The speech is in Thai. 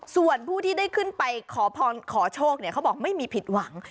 ส่วนผู้ที่ได้ขึ้นไปขอพรขอโชคเขาบอกไม่มีผิดหวัง